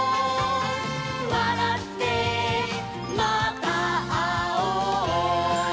「わらってまたあおう」